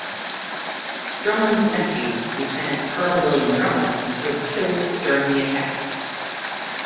Drummond's nephew, Lieutenant Colonel William Drummond, was killed during the attack.